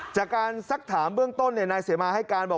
จากการสักถามเบื้องต้นนายเสมาให้กามลำรุนไปเลยนะครับ